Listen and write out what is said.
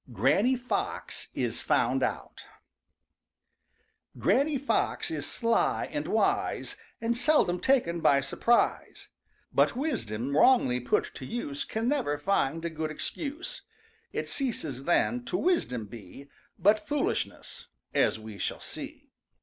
GRANNY FOX IS FOUND OUT Granny Fox is sly and wise And seldom taken by surprise, But wisdom wrongly put to use Can never find a good excuse. It ceases then to wisdom be, But foolishness, as we shall see.